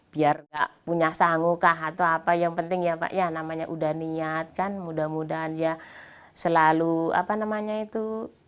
biar nggak punya sanggu kah atau apa yang penting ya pak ya namanya udah niat kan mudah mudahan ya selalu apa namanya itu